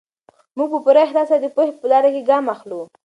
موږ په پوره اخلاص سره د پوهې په لاره کې ګام اخلو.